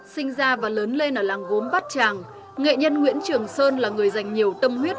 sinh ra và lớn lên ở làng gốm bát tràng nghệ nhân nguyễn trường sơn là người dành nhiều tâm huyết